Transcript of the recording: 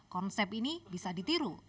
konsep ini bisa ditiru